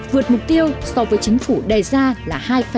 vượt mục tiêu so với chính phủ đề ra là hai tám mươi bốn